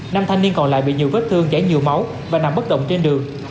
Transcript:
năm thanh niên còn lại bị nhiều vết thương chảy nhiều máu và nằm bất động trên đường